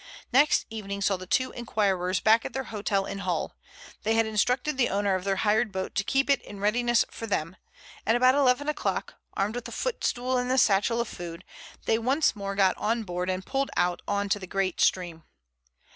Next evening saw the two inquirers back at their hotel in Hull. They had instructed the owner of their hired boat to keep it in readiness for them, and about eleven o'clock, armed with the footstool and the satchel of food, they once more got on board and pulled out on to the great stream.